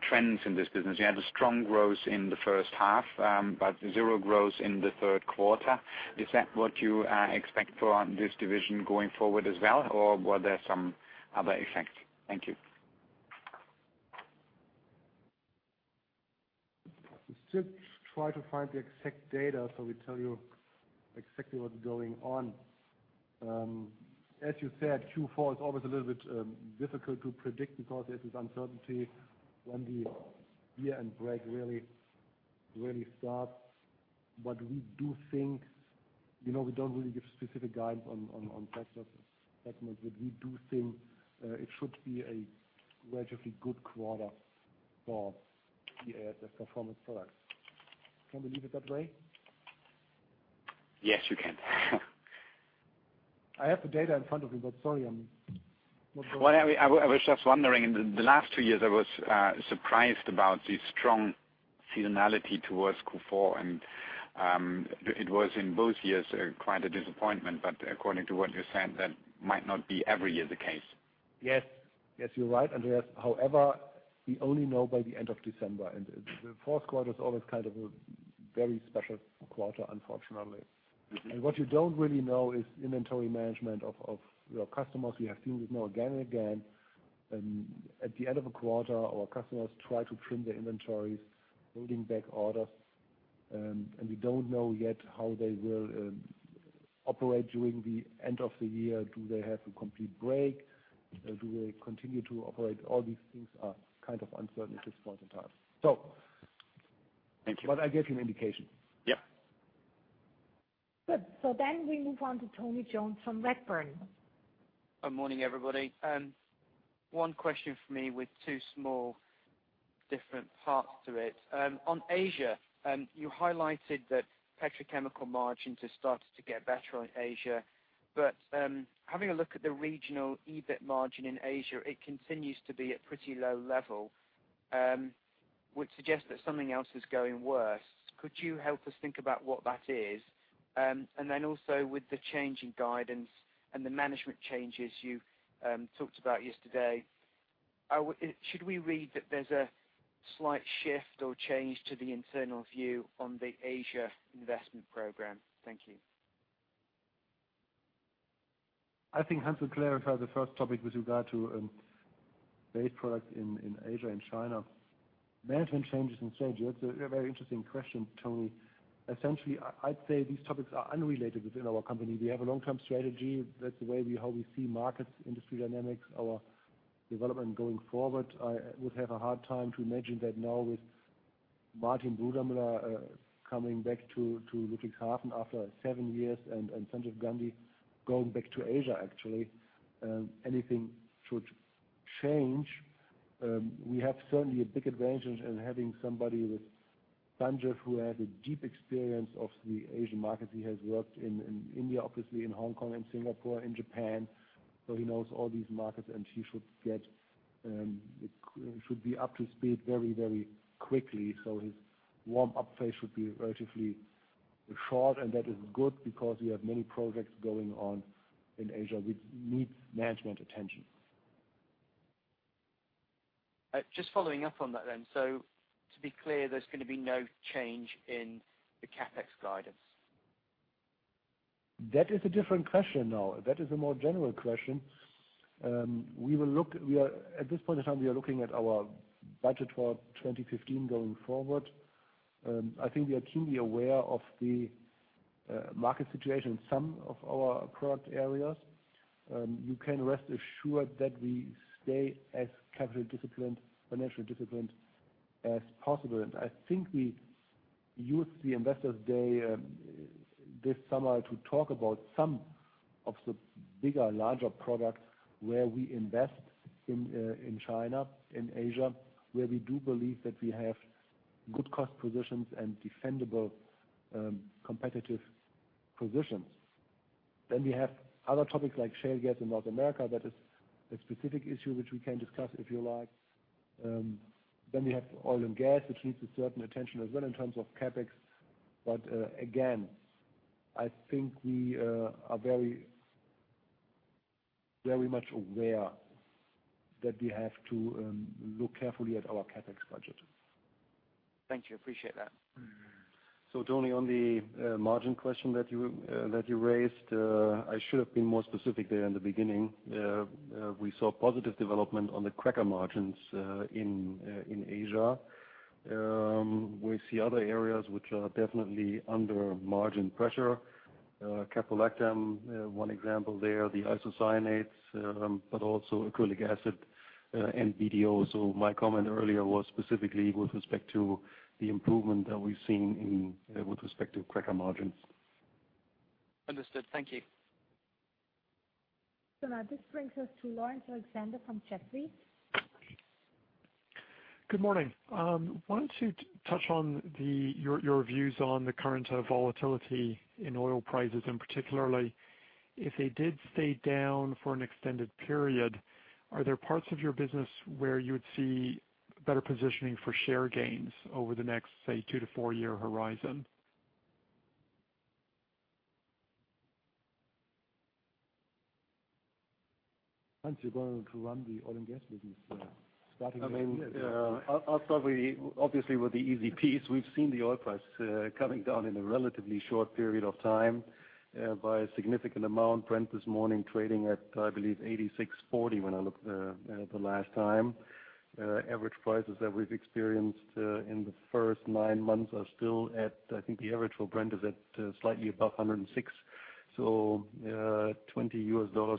trends in this business? You had a strong growth in the first half, but zero growth in the third quarter. Is that what you expect for this division going forward as well, or were there some other effects? Thank you. We still try to find the exact data, so we tell you exactly what's going on. As you said, Q4 is always a little bit difficult to predict because it is uncertainty when the year-end break really, really starts. We do think, you know, we don't really give specific guidance on segments, but we do think it should be a relatively good quarter for the Performance Products. Can we leave it that way? Yes, you can. I have the data in front of me, but sorry, I'm not. Well, I was just wondering, in the last two years, I was surprised about the strong seasonality towards Q4, and it was in both years quite a disappointment. According to what you're saying, that might not be every year the case. Yes. Yes, you're right, Andreas. However, we only know by the end of December, and the fourth quarter is always kind of a very special quarter, unfortunately. What you don't really know is inventory management of your customers. We have seen this now again and again. At the end of a quarter, our customers try to trim their inventories, holding back orders, and we don't know yet how they will operate during the end of the year. Do they have a complete break? Do they continue to operate? All these things are kind of uncertain at this point in time. Thank you. I gave you an indication. Yeah. Good. We move on to Tony Jones from Redburn. Good morning, everybody. One question for me with two small different parts to it. On Asia, you highlighted that petrochemical margins have started to get better in Asia. Having a look at the regional EBIT margin in Asia, it continues to be at pretty low level, which suggests that something else is going worse. Could you help us think about what that is? Also with the change in guidance and the management changes you talked about yesterday, should we read that there's a slight shift or change to the internal view on the Asia investment program? Thank you. I think Hans will clarify the first topic with regard to base products in Asia and China. Management changes in Asia, that's a very interesting question, Tony. Essentially, I'd say these topics are unrelated within our company. We have a long-term strategy. That's the way we how we see markets, industry dynamics, our development going forward. I would have a hard time to imagine that now with. Martin Brudermüller coming back to Ludwigshafen after seven years and Sanjeev Gandhi going back to Asia, actually, will anything change. We have certainly a big advantage in having somebody with Sanjeev who has a deep experience of the Asian market. He has worked in India, obviously in Hong Kong and Singapore and Japan. So he should be up to speed very, very quickly. So his warm up phase should be relatively short, and that is good because we have many projects going on in Asia which need management attention. Just following up on that then. To be clear, there's gonna be no change in the CAPEX guidance? That is a different question now. That is a more general question. At this point in time, we are looking at our budget for 2015 going forward. I think we are keenly aware of the market situation in some of our product areas. You can rest assured that we stay as capital disciplined, financial disciplined as possible. I think we used the Investors' Day this summer to talk about some of the bigger, larger products where we invest in China, in Asia, where we do believe that we have good cost positions and defensible competitive positions. We have other topics like shale gas in North America. That is a specific issue which we can discuss, if you like. We have oil and gas, which needs a certain attention as well in terms of CAPEX. Again, I think we are very much aware that we have to look carefully at our CAPEX budget. Thank you. Appreciate that. Tony, on the margin question that you raised, I should have been more specific there in the beginning. We saw positive development on the cracker margins in Asia. We see other areas which are definitely under margin pressure. Caprolactam, one example there, the Isocyanates, but also Acrylic Acid and BDO. My comment earlier was specifically with respect to the improvement that we've seen with respect to cracker margins. Understood. Thank you. Now this brings us to Laurence Alexander from Jefferies. Good morning. Why don't you touch on your views on the current volatility in oil prices, and particularly if they did stay down for an extended period, are there parts of your business where you would see better positioning for share gains over the next, say, 2-4-year horizon? Hans, you're going to run the oil and gas business, starting next year. I mean, I'll start with, obviously, the easy piece. We've seen the oil price coming down in a relatively short period of time by a significant amount. Brent this morning trading at, I believe, 86.40 when I looked at it the last time. Average prices that we've experienced in the first nine months are still at, I think the average for Brent is at slightly above 106. $20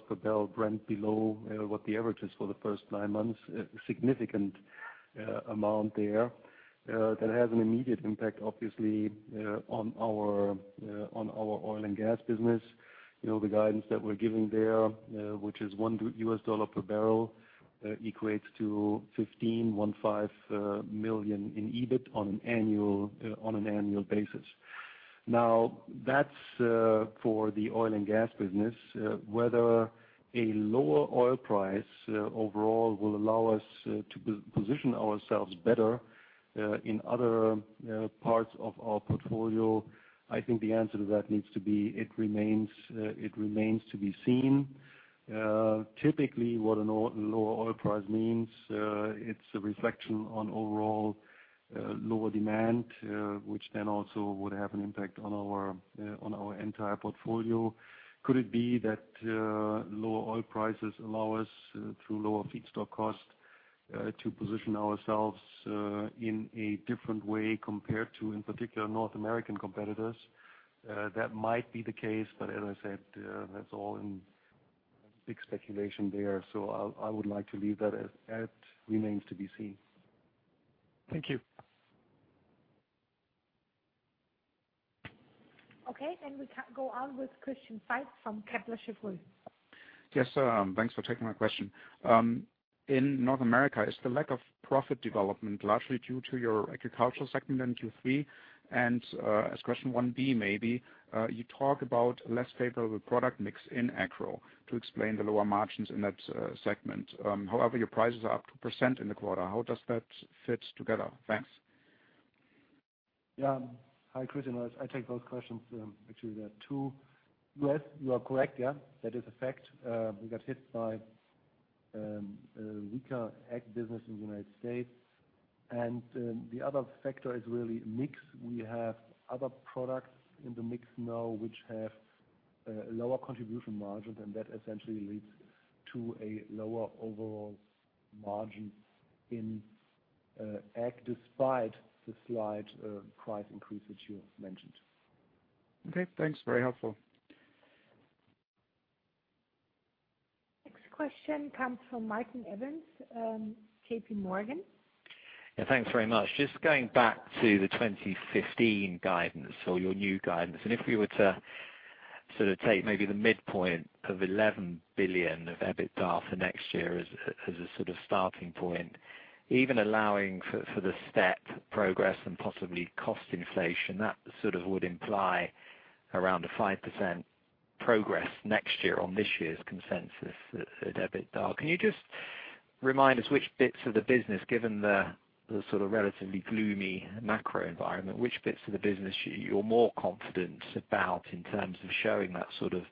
per barrel, Brent below what the average is for the first nine months, a significant amount there that has an immediate impact, obviously, on our oil and gas business. You know, the guidance that we're giving there, which is $1 per barrel, equates to $15 million in EBIT on an annual basis. Now, that's for the oil and gas business. Whether a lower oil price overall will allow us to position ourselves better in other parts of our portfolio, I think the answer to that is it remains to be seen. Typically, what a lower oil price means, it's a reflection on overall lower demand, which then also would have an impact on our entire portfolio. Could it be that lower oil prices allow us, through lower feedstock costs, to position ourselves in a different way compared to, in particular, North American competitors? That might be the case, but as I said, that's all in big speculation there. I would like to leave that at, "That remains to be seen. Thank you. Okay, we go on with Christian Faitz from Kepler Cheuvreux. Yes, sir. Thanks for taking my question. In North America, is the lack of profit development largely due to your agricultural segment and Q3? As question 1B maybe, you talk about less favorable product mix in Agro to explain the lower margins in that segment. However, your prices are up 2% in the quarter. How does that fit together? Thanks. Yeah. Hi, Christian. I take both questions, actually there are two. Yes, you are correct. Yeah, that is a fact. We got hit by a weaker ag business in the United States. The other factor is really mix. We have other products in the mix now which have lower contribution margin, and that essentially leads to a lower overall margin in ag despite the slight price increase that you mentioned. Okay. Thanks. Very helpful. Next question comes from Martin Evans, JPMorgan. Yeah, thanks very much. Just going back to the 2015 guidance or your new guidance, and if we were to sort of take maybe the midpoint of 11 billion of EBITDA for next year as a sort of starting point, even allowing for the STEP progress and possibly cost inflation, that sort of would imply around a 5% progress next year on this year's consensus EBITDA. Can you just remind us which bits of the business, given the sort of relatively gloomy macro environment, which bits of the business you're more confident about in terms of showing that sort of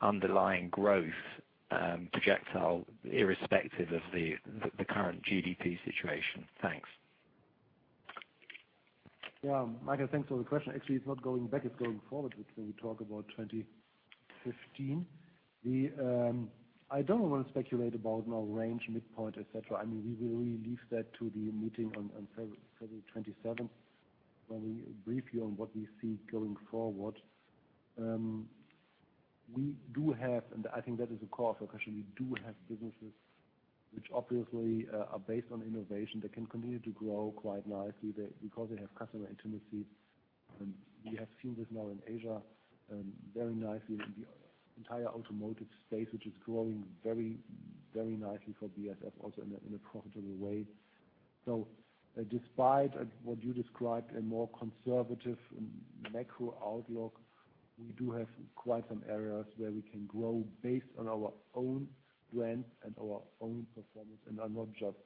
underlying growth trajectory irrespective of the current GDP situation? Thanks. Yeah. Michael, thanks for the question. Actually, it's not going back, it's going forward as we talk about 2015. I don't want to speculate about no range, midpoint, et cetera. I mean, we will leave that to the meeting on February 27, when we brief you on what we see going forward. We do have, I think that is the core of your question. We do have businesses which obviously are based on innovation that can continue to grow quite nicely. They, because they have customer intimacies, and we have seen this now in Asia, very nicely in the entire automotive space, which is growing very, very nicely for BASF also in a profitable way. Despite what you described, a more conservative macro outlook, we do have quite some areas where we can grow based on our own strengths and our own performance, and are not just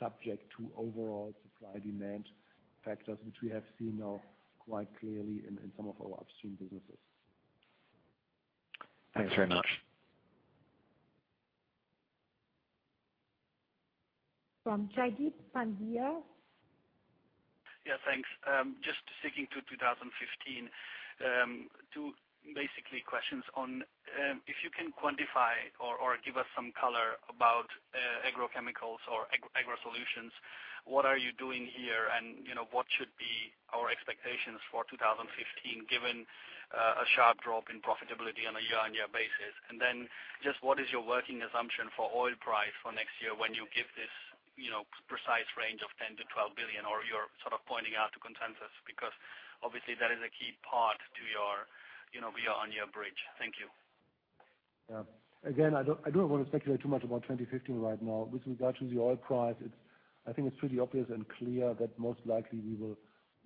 subject to overall supply and demand factors, which we have seen now quite clearly in some of our upstream businesses. Thanks very much. From Jaideep Pandya. Yeah, thanks. Just sticking to 2015, two basic questions on if you can quantify or give us some color about agrochemicals or agrosolutions, what are you doing here and, you know, what should be our expectations for 2015, given a sharp drop in profitability on a year-on-year basis? Just what is your working assumption for oil price for next year when you give this, you know, precise range of 10 billion-12 billion, or you're sort of pointing out to consensus? Because obviously that is a key part to your, you know, year-on-year bridge. Thank you. Yeah. Again, I don't want to speculate too much about 2015 right now. With regard to the oil price, I think it's pretty obvious and clear that most likely we will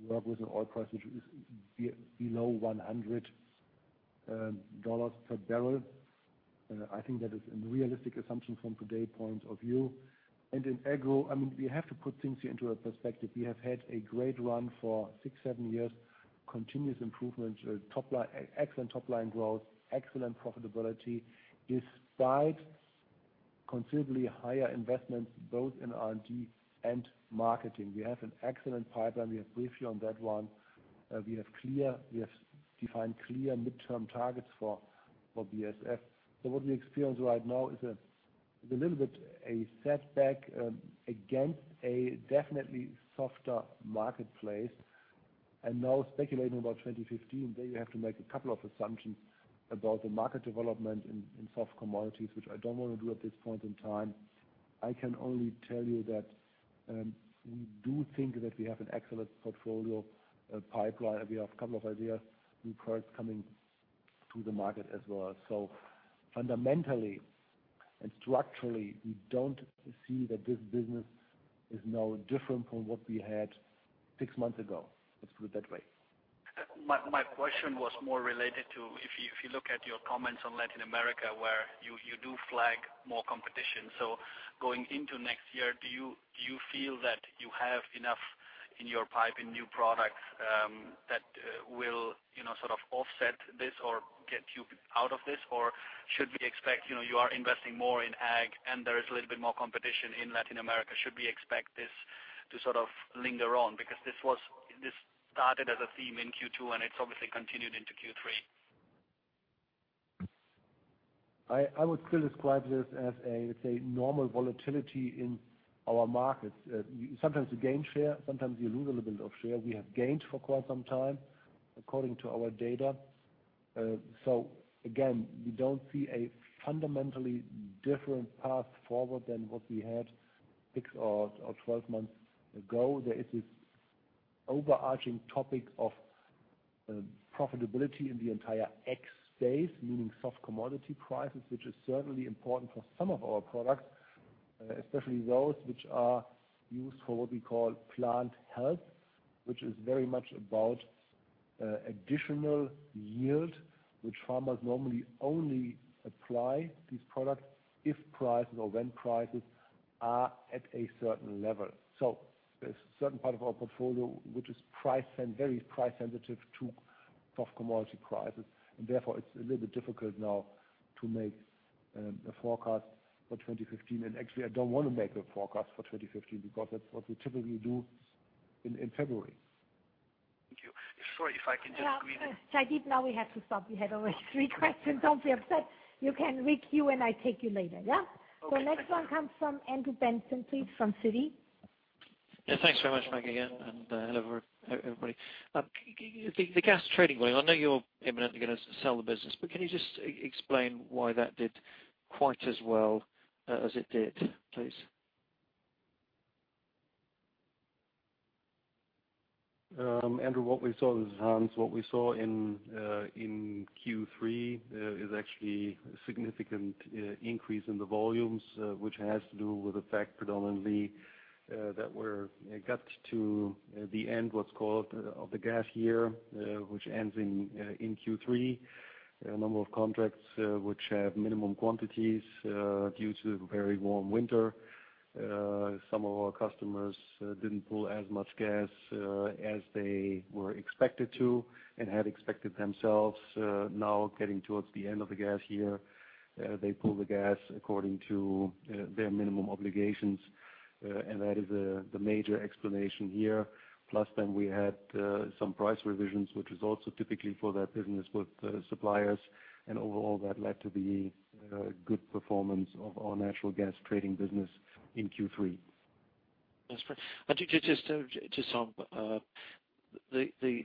work with an oil price which is below $100 per barrel. I think that is a realistic assumption from today's point of view. In agro, we have to put things into perspective. We have had a great run for six, seven years, continuous improvement, excellent top line growth, excellent profitability, despite considerably higher investments both in R&D and marketing. We have an excellent pipeline. We have briefed you on that one. We have defined clear midterm targets for BASF. What we experience right now is a little bit of a setback against a definitely softer marketplace. Now speculating about 2015, there you have to make a couple of assumptions about the market development in soft commodities, which I don't want to do at this point in time. I can only tell you that we do think that we have an excellent portfolio, pipeline. We have a couple of ideas, new products coming to the market as well. Fundamentally and structurally, we don't see that this business is now different from what we had six months ago. Let's put it that way. My question was more related to if you look at your comments on Latin America, where you do flag more competition. Going into next year, do you feel that you have enough in your pipeline in new products that will, you know, sort of offset this or get you out of this? Or should we expect, you know, you are investing more in ag and there is a little bit more competition in Latin America. Should we expect this to sort of linger on? Because this started as a theme in Q2, and it's obviously continued into Q3. I would still describe this as, let's say, normal volatility in our markets. Sometimes you gain share, sometimes you lose a little bit of share. We have gained for quite some time according to our data. Again, we don't see a fundamentally different path forward than what we had six or 12 months ago. There is this overarching topic of profitability in the entire ag space, meaning soft commodity prices, which is certainly important for some of our products, especially those which are used for what we call plant health, which is very much about additional yield, which farmers normally only apply these products if prices or when prices are at a certain level. There's a certain part of our portfolio which is very price sensitive to soft commodity prices, and therefore it's a little bit difficult now to make a forecast for 2015. Actually, I don't want to make a forecast for 2015 because that's what we typically do in February. Thank you. Sorry, if I can just quickly. Yeah. Jaideep, now we have to stop. You had already three questions. Don't be upset. You can re-queue, and I take you later. Yeah? Okay. Thank you. Next one comes from Andrew Benson, please, from Citi. Yeah, thanks very much, Mike, again, and hello everybody. The gas trading wing, I know you're imminently gonna sell the business, but can you just explain why that did quite as well as it did, please? Andrew, this is Hans. What we saw in Q3 is actually a significant increase in the volumes, which has to do with the fact predominantly that it got to the end what's called of the gas year, which ends in Q3. A number of contracts which have minimum quantities due to very warm winter. Some of our customers didn't pull as much gas as they were expected to and had expected themselves. Now getting towards the end of the gas year, they pull the gas according to their minimum obligations, and that is the major explanation here. We had some price revisions, which is also typically for that business with suppliers. Overall, that led to the good performance of our natural gas trading business in Q3. That's fair. Just on the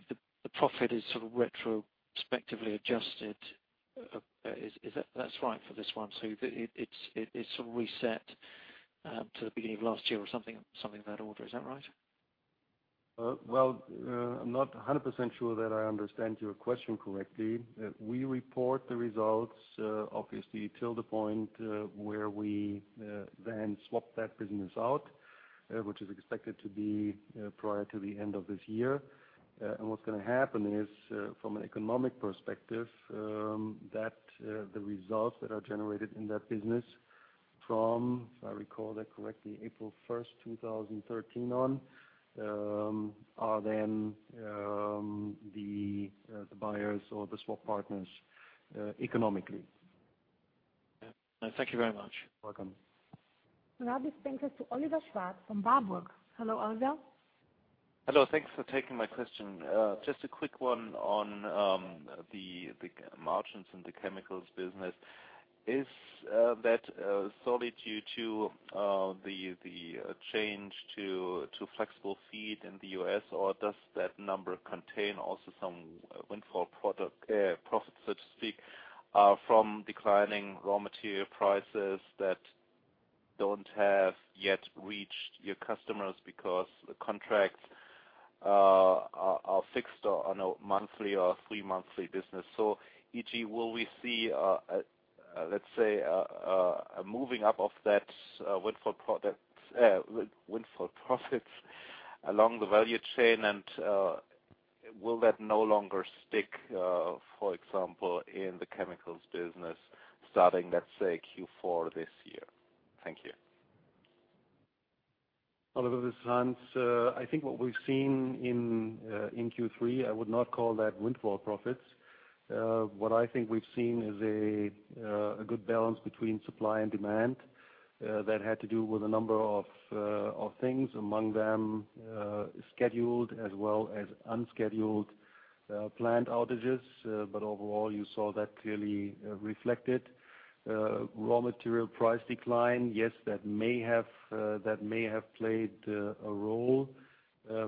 profit is sort of retrospectively adjusted. Is that right for this one? It's sort of reset to the beginning of last year or something of that order. Is that right? Well, I'm not 100% sure that I understand your question correctly. We report the results, obviously till the point where we then swap that business out, which is expected to be prior to the end of this year. What's gonna happen is, from an economic perspective, that the results that are generated in that business from, if I recall that correctly, April first, 2013 on, are then the buyers or the swap partners, economically. Thank you very much. Welcome. Now this brings us to Oliver Schwarz from Warburg. Hello, Oliver. Hello, thanks for taking my question. Just a quick one on the margins in the chemicals business. Is that solely due to the change to flexible feed in the U.S. or does that number contain also some windfall product profits, so to speak, from declining raw material prices that don't have yet reached your customers because the contracts are fixed on a monthly or three monthly business? E.g., will we see, let's say, a moving up of that windfall product windfall profits along the value chain? And will that no longer stick, for example, in the chemicals business starting, let's say, Q4 this year? Thank you. Oliver, this is Hans. I think what we've seen in Q3, I would not call that windfall profits. What I think we've seen is a good balance between supply and demand that had to do with a number of things, among them scheduled as well as unscheduled plant outages. Overall, you saw that clearly reflected. Raw material price decline, yes, that may have played a role,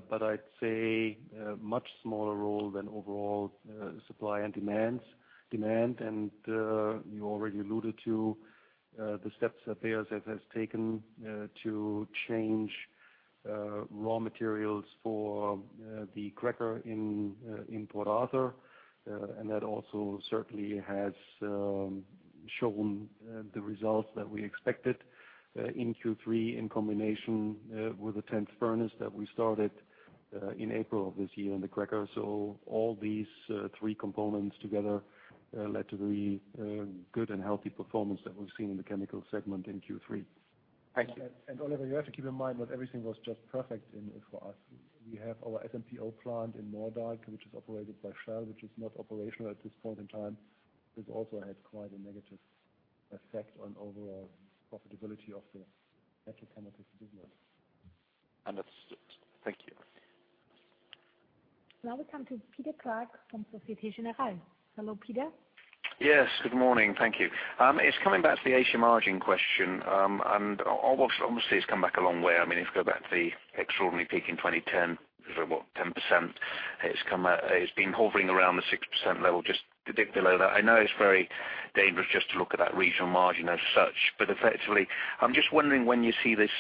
but I'd say a much smaller role than overall supply and demand. You already alluded to the steps that BASF has taken to change raw materials for the cracker in Port Arthur. That also certainly has shown the results that we expected in Q3 in combination with the tenth furnace that we started in April of this year in the cracker. All these three components together led to the good and healthy performance that we've seen in the chemical segment in Q3. Thank you. Oliver, you have to keep in mind that everything was just perfect in, for us. We have our SMPO plant in Moerdijk, which is operated by Shell, which is not operational at this point in time. This also had quite a negative effect on overall profitability of the chemical business. Understood. Thank you. Now we come to Peter Clark from Société Générale. Hello, Peter. Yes, good morning. Thank you. It's coming back to the Asia margin question, and almost obviously it's come back a long way. I mean, if you go back to the extraordinary peak in 2010, it was about 10%. It's been hovering around the 6% level, just a bit below that. I know it's very dangerous just to look at that regional margin as such, but effectively, I'm just wondering when you see this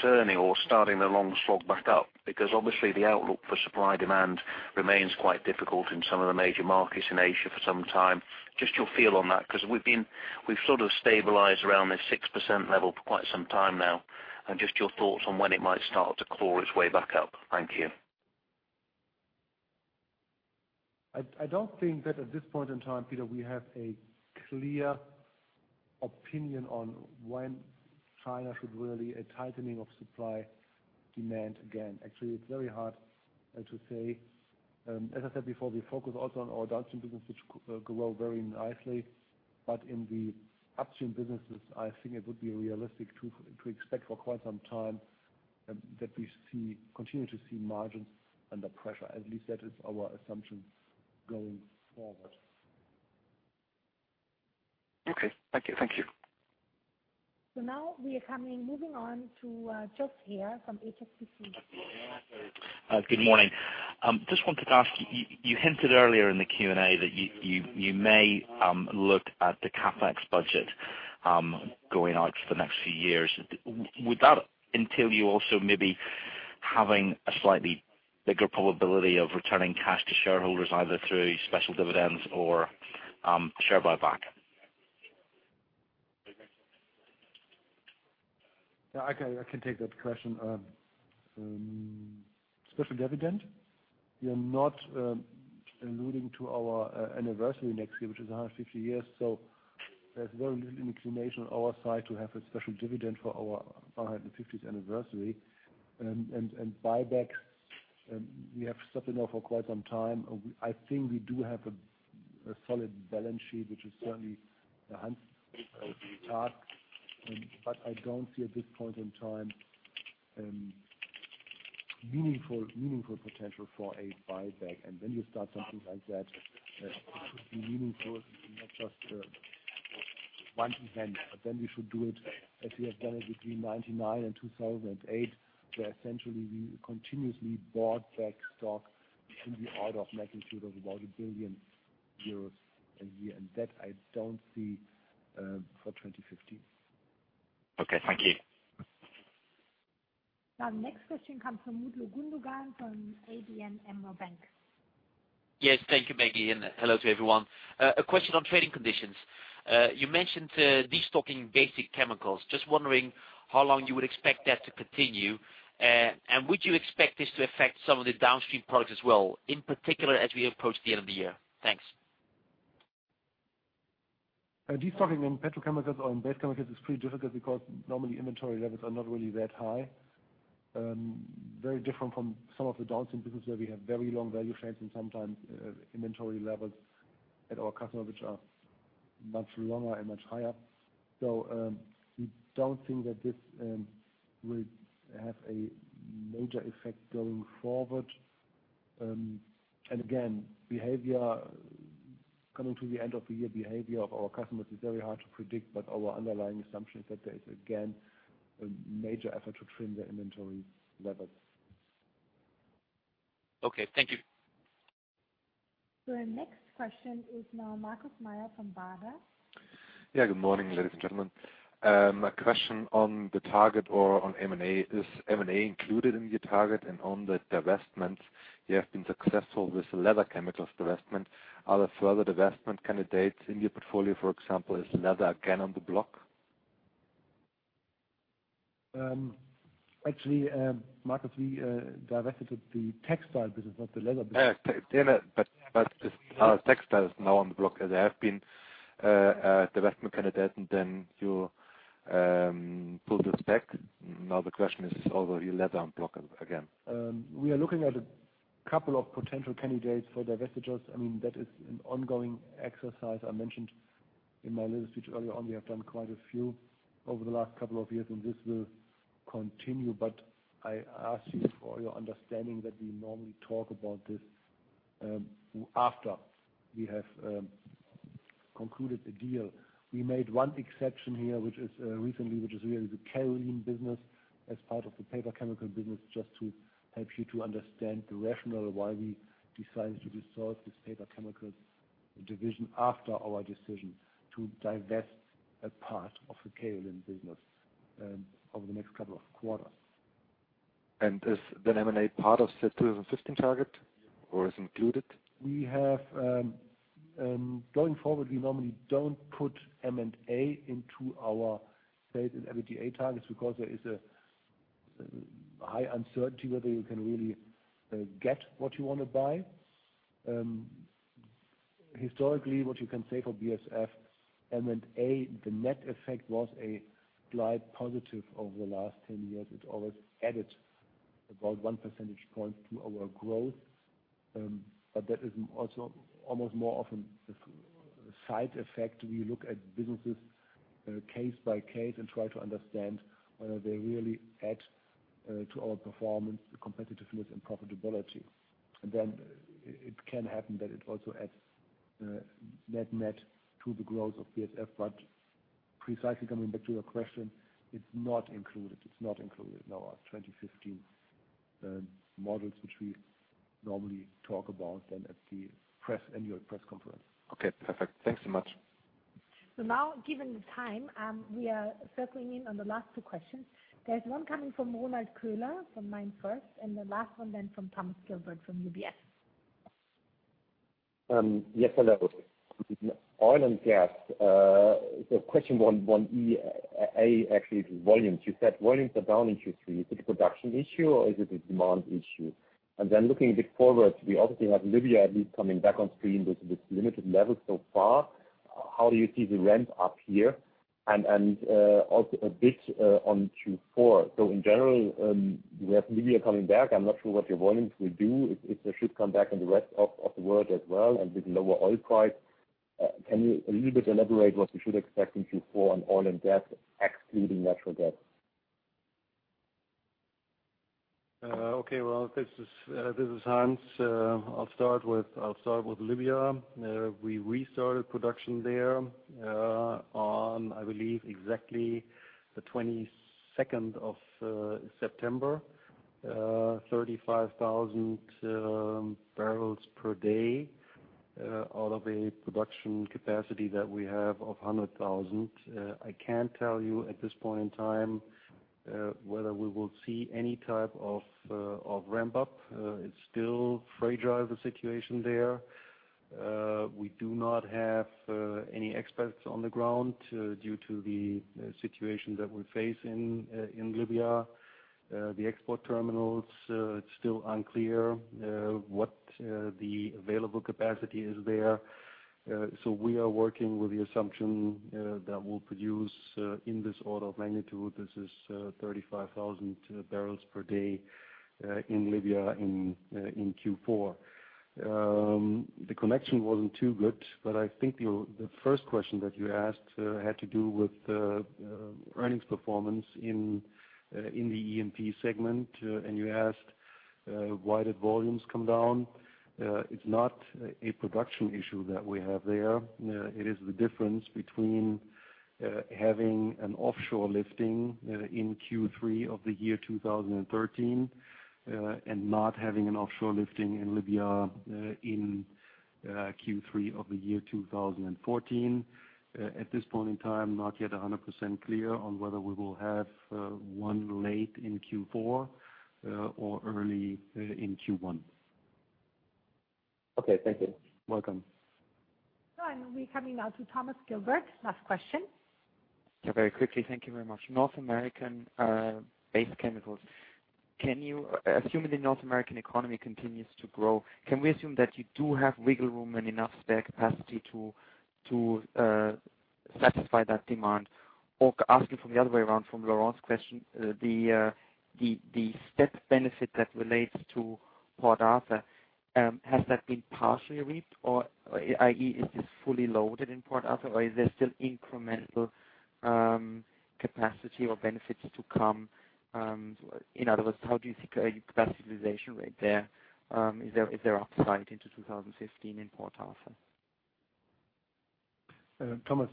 turning or starting the long slog back up, because obviously the outlook for supply-demand remains quite difficult in some of the major markets in Asia for some time. Just your feel on that, 'cause we've sort of stabilized around this 6% level for quite some time now, and just your thoughts on when it might start to claw its way back up. Thank you. I don't think that at this point in time, Peter, we have a clear opinion on when China should really see a tightening of supply-demand again. Actually, it's very hard to say. As I said before, we focus also on our downstream business, which grow very nicely. In the upstream businesses, I think it would be realistic to expect for quite some time that we continue to see margins under pressure, at least that is our assumption going forward. Okay. Thank you. Thank you. Now we are moving on to Josh Harris from HSBC. Good morning. Just wanted to ask, you hinted earlier in the Q&A that you may look at the CAPEX budget going out for the next few years. Would that entail you also maybe having a slightly bigger probability of returning cash to shareholders, either through special dividends or share buyback? Yeah, I can take that question. Special dividend, you're not alluding to our anniversary next year, which is 150 years. There's very little inclination on our side to have a special dividend for our 150th anniversary. Buyback, we have something now for quite some time. I think we do have a solid balance sheet, which is certainly a huge task, but I don't see at this point in time meaningful potential for a buyback. When you start something like that, it should be meaningful and not just one event, but then we should do it as we have done it between 1999 and 2008, where essentially we continuously bought back stock in the order of magnitude of about 1 billion euros a year. that I don't see for 2015. Okay, thank you. Now, next question comes from Mutlu Gundogan, from ABN AMRO Bank. Yes, thank you, Maggie, and hello to everyone. A question on trading conditions. You mentioned destocking basic chemicals. Just wondering how long you would expect that to continue. Would you expect this to affect some of the downstream products as well, in particular, as we approach the end of the year? Thanks. Destocking in petrochemicals or in base chemicals is pretty difficult because normally inventory levels are not really that high. Very different from some of the downstream businesses where we have very long value chains and sometimes inventory levels at our customer, which are much longer and much higher. We don't think that this will have a major effect going forward. Again, customer behavior at the end of the year is very hard to predict, but our underlying assumption is that there is, again, a major effort to trim the inventory levels. Okay, thank you. Our next question is now Markus Mayer from Baader. Yeah, good morning, ladies and gentlemen. A question on the target or on M&A. Is M&A included in your target? On the divestment, you have been successful with the leather chemicals divestment. Are there further divestment candidates in your portfolio, for example, is leather again on the block? Actually, Marcus, we divested the textile business, not the leather business. Yeah, but are textiles now on the block? They have been a divestment candidate, and then you pull this back. Now the question is, will you put on the block again. We are looking at a couple of potential candidates for divestitures. I mean, that is an ongoing exercise. I mentioned in my little speech earlier on, we have done quite a few over the last couple of years, and this will continue. I ask you for your understanding that we normally talk about this after we have concluded the deal. We made one exception here, which is recently, which is really the kaolin business as part of the Paper Chemicals business, just to help you to understand the rationale why we decided to dissolve this Paper Chemicals division after our decision to divest a part of the kaolin business over the next couple of quarters. Is the M&A part of the 2015 target or is included? Going forward, we normally don't put M&A into our stated EBITDA targets because there is a high uncertainty whether you can really get what you want to buy. Historically, what you can say for BASF M&A, the net effect was a slight positive over the last 10 years. It always added about one percentage point to our growth. But that is also almost more often a side effect. We look at businesses case by case and try to understand whether they really add to our performance, competitiveness and profitability. Then it can happen that it also adds net to the growth of BASF. Precisely coming back to your question, it's not included. It's not included in our 2015 models, which we normally talk about then at the annual press conference. Okay, perfect. Thanks so much. Now, given the time, we are circling in on the last two questions. There's one coming from Ronald Köhler from MainFirst, and the last one then from Thomas Gilbert from UBS. Yes, hello. Oil and gas, the question actually is volume. You said volumes are down in Q3. Is it a production issue or is it a demand issue? Looking a bit forward, we obviously have Libya at least coming back on screen with limited levels so far. How do you see the ramp up here? Also a bit on Q4. In general, we have Libya coming back. I'm not sure what your volumes will do if they should come back in the rest of the world as well, and with lower oil price. Can you a little bit elaborate what we should expect in Q4 on oil and gas, excluding natural gas? Well, this is Hans. I'll start with Libya. We restarted production there on, I believe, exactly the 22nd of September. 35,000 barrels per day out of a production capacity that we have of 100,000. I can't tell you at this point in time whether we will see any type of ramp up. It's still fraught situation there. We do not have any experts on the ground due to the situation that we face in Libya. The export terminals, it's still unclear what the available capacity is there. We are working with the assumption that we'll produce in this order of magnitude. This is 35,000 barrels per day in Libya in Q4. The connection wasn't too good, but I think the first question that you asked had to do with the earnings performance in the E&P segment. You asked why did volumes come down? It's not a production issue that we have there. It is the difference between having an offshore lifting in Q3 of the year 2013 and not having an offshore lifting in Libya in Q3 of the year 2014. At this point in time, not yet 100% clear on whether we will have one late in Q4 or early in Q1. Okay. Thank you. Welcome. I will be coming now to Thomas Gilbert. Last question. Very quickly. Thank you very much. North American base chemicals. Assuming the North American economy continues to grow, can we assume that you do have wiggle room and enough spare capacity to satisfy that demand? Or ask it from the other way around from Laurent's question, the STEP benefit that relates to Port Arthur, has that been partially reaped? Or i.e., is this fully loaded in Port Arthur, or is there still incremental capacity or benefits to come? In other words, how do you think your capacity utilization rate there, is there upside into 2015 in Port Arthur? Thomas,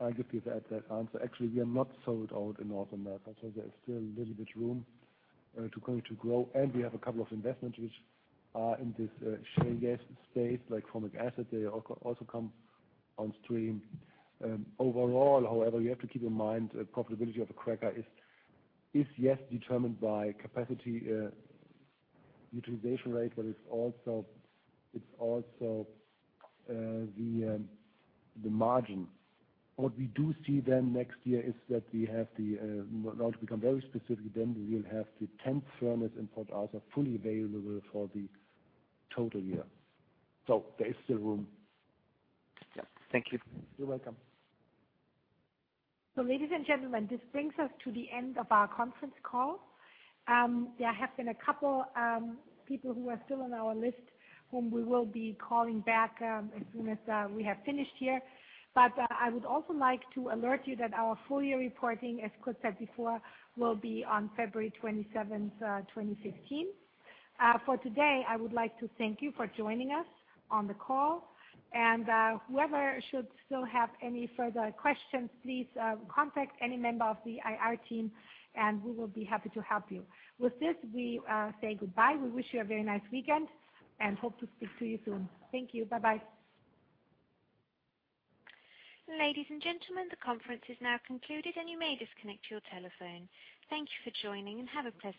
I'll give you that answer. Actually, we are not sold out in North America, so there's still a little bit room to continue to grow. We have a couple of investments which are in this shale space, like Formic Acid. They also come on stream. Overall, however, you have to keep in mind the profitability of a cracker is yes determined by capacity utilization rate, but it's also the margin. What we do see then next year is that we have now to become very specific, then we will have the tenth furnace in Port Arthur fully available for the total year. There is still room. Yeah. Thank you. You're welcome. Ladies and gentlemen, this brings us to the end of our conference call. There have been a couple people who are still on our list, whom we will be calling back as soon as we have finished here. I would also like to alert you that our full year reporting, as Kurt said before, will be on February 27th, 2015. For today, I would like to thank you for joining us on the call. Whoever should still have any further questions, please contact any member of the IR team, and we will be happy to help you. With this, we say goodbye. We wish you a very nice weekend and hope to speak to you soon. Thank you. Bye-bye. Ladies and gentlemen, the conference is now concluded, and you may disconnect your telephone. Thank you for joining and have a pleasant day.